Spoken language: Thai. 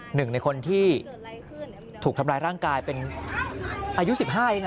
หนึ่งในคนที่ถูกทำร้ายร่างกายเป็นอายุ๑๕เองนะ